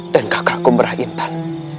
dan kakakku merahintan